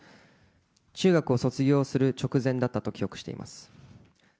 中学を卒業する直前だったと記憶しています。